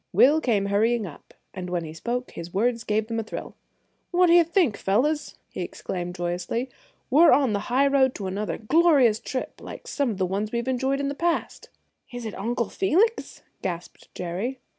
Will came hurrying up, and when he spoke his words gave them a thrill. "What d'ye think, fellows," he exclaimed joyously; "we're on the highroad to another glorious trip like some of the ones we've enjoyed in the past!" "Is it Uncle Felix?" gasped Jerry.